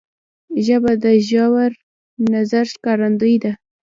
ژبه د ژور نظر ښکارندوی ده